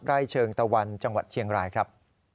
ไร่เชิงตะวันจังหวัดเชียงรายครับ